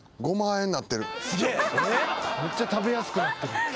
めっちゃ食べやすくなってる。